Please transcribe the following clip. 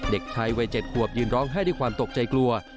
เด็กชายวัย๗ขวบยืนร้องไห้ด้วยความตกใจกลัว